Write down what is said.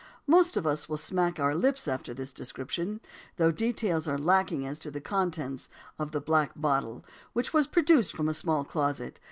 Most of us will smack our lips after this description; though details are lacking as to the contents of the "black bottle" which was produced from "a small closet."